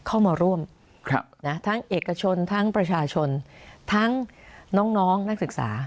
เข้ามาร่วมทั้งเอกชนทั้งประชาชนทั้งน้องนักศึกษา